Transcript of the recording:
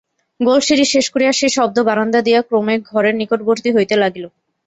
গোলসিঁড়ি শেষ করিয়া সেই শব্দ বারান্দা দিয়া ক্রমে ঘরের নিকটবর্তী হইতে লাগিল।